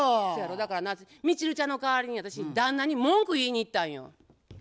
だからなミチルちゃんの代わりに私旦那に文句言いに行ったんよ。